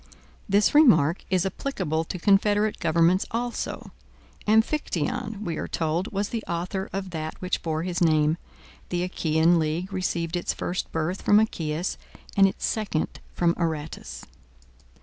This remark is applicable to confederate governments also. Amphictyon, we are told, was the author of that which bore his name. The Achaean league received its first birth from Achaeus, and its second from Aratus.